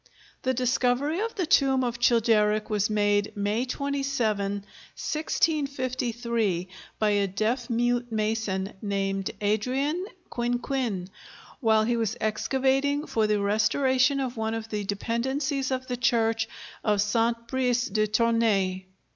The discovery of the tomb of Childeric was made, May 27, 1653, by a deaf mute mason, named Adrien Quinquin, while he was excavating for the restoration of one of the dependencies of the church of Saint Brice de Tournai.